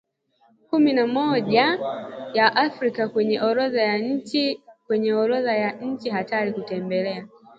kumi na moja ya Afrika kwenye orodha yake ya nchi hatari kutembelea